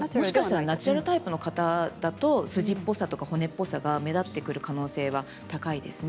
もしかしたらナチュラルタイプの方は筋っぽさ、骨っぽさが目立ってくる可能性が高いですね。